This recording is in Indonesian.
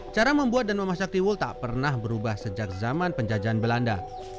cara membuat dan memasak tiwul tak pernah berubah sejak zaman penjajahan belanda